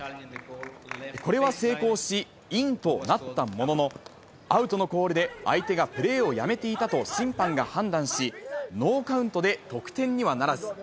これは成功し、インとなったものの、アウトのコールで相手がプレーをやめていたと審判が判断し、ノーカウントで得点にはならず。